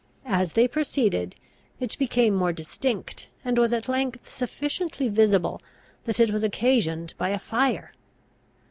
As they proceeded, it became more distinct, and it was at length sufficiently visible that it was occasioned by a fire.